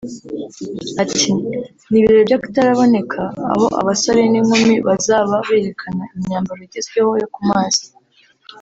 Ati “Ni ibirori by’akataraboneka aho abasore n’inkumi bazaba berekana imyambaro igezweho yo ku mazi